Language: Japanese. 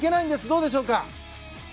どうでしょうか？